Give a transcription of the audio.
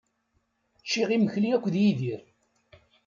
Ččiɣ imekli akked Yidir.